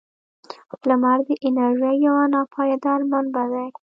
• لمر د انرژۍ یو ناپایدار منبع دی.